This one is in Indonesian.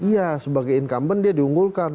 iya sebagai incumbent dia diunggulkan